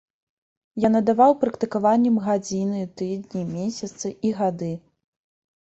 Я надаваў практыкаванням гадзіны, тыдні, месяцы і гады.